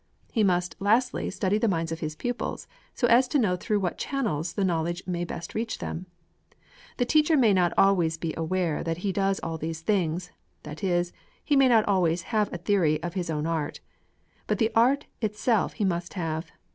He must lastly study the minds of his pupils, so as to know through what channels the knowledge may best reach them. The teacher may not always be aware that he does all these things, that is, he may not always have a theory of his own art. But the art itself he must have.